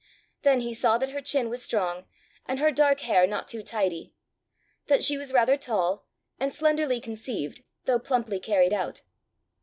Then he saw that her chin was strong, and her dark hair not too tidy; that she was rather tall, and slenderly conceived though plumply carried out.